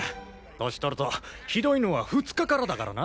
年とるとひどいのは２日からだからな。